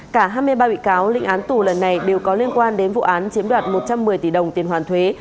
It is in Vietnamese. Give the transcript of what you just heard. cả hai mươi ba bị cáo lịnh án tù lần này đều có liên quan đến vụ án chiếm đoạt một trăm một mươi tỷ đồng tiền hoàn thuế